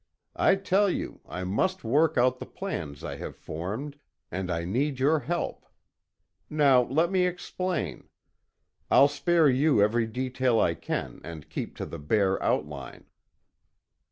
I tell you I must work out the plans I have formed, and I need your help. Now let me explain. I'll spare you every detail I can, and keep to the bare outline."